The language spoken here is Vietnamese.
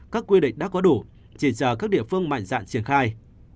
các quy định đã có đủ chỉ chờ các địa phương mạnh dạng triển khai